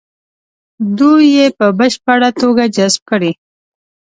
دوی یې په بشپړه توګه جذب کړي.